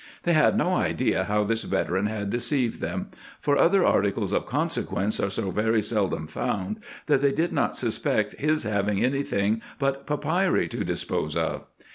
They had no idea how this veteran had deceived them ; for other articles of consequence are so very seldom found, that they did not suspect his having any thing but papyri to dispose of.